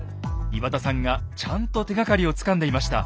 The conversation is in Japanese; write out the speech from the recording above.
岩田さんがちゃんと手がかりをつかんでいました。